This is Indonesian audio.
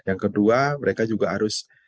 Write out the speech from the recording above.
yang kedua mereka juga harus